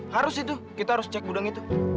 harus itu kita harus cek gudang itu